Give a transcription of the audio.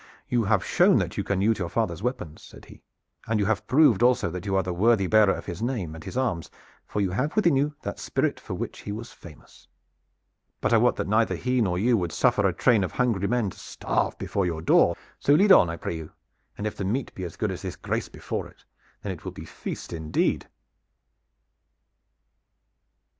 "You have shown that you can use your father's weapons," said he, "and you have proved also that you are the worthy bearer of his name and his arms, for you have within you that spirit for which he was famous. But I wot that neither he nor you would suffer a train of hungry men to starve before your door; so lead on, I pray you, and if the meat be as good as this grace before it, then it will be a feast indeed." X.